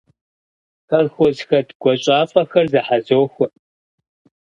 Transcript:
Колхозхэт гуащӀафӀэхэр зохьэзохуэ.